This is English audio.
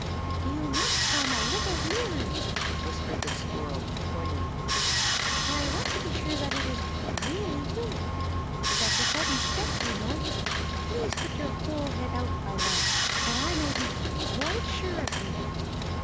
"You must come a little nearer," whispered the squirrel coyly. "I want to be sure that it is really you; such a sudden step, you know! Please put your whole head out, my love, that I may be quite sure of you!"